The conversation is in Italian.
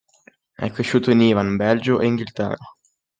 È cresciuto in Iran, Belgio e Inghilterra.